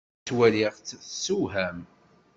Ttwaliɣ-tt tessewham.